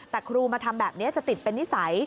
แต่ครูมาทำแบบนี้จะติดเป็นนิสัย